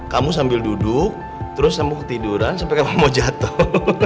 kamu sambil duduk terus nabuk tiduran sampe kamu mau jatuh